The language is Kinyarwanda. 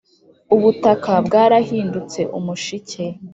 ubutaka bwarahindutse umushike.